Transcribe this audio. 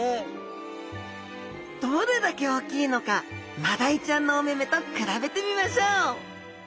どれだけ大きいのかマダイちゃんのお目々と比べてみましょう！